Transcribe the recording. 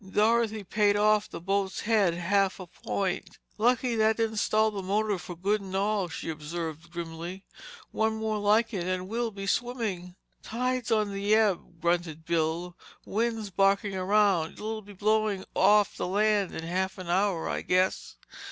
Dorothy paid off the boat's head half a point. "Lucky that didn't stall the motor for good and all," she observed grimly. "One more like it, and we'll be swimming." "Tide's on the ebb," grunted Bill. "Wind's barking around—it'll be blowing off the land in half an hour, I guess."